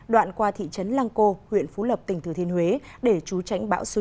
đoạn qua thị trấn lăng cô huyện phú lập tỉnh thừa thiên huế để trú tránh bão số chín